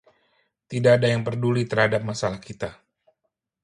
Tidak ada yang peduli terhadap masalah kita.